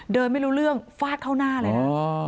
ไม่รู้เรื่องฟาดเข้าหน้าเลยนะ